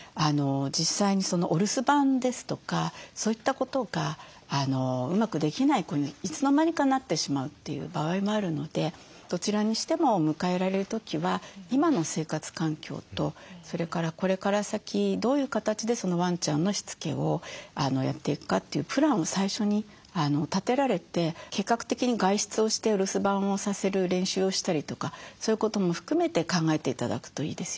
実際にお留守番ですとかそういったことがうまくできない子にいつの間にかなってしまうという場合もあるのでどちらにしても迎えられる時は今の生活環境とそれからこれから先どういう形でそのワンちゃんのしつけをやっていくかというプランを最初に立てられて計画的に外出をしてお留守番をさせる練習をしたりとかそういうことも含めて考えて頂くといいですよね。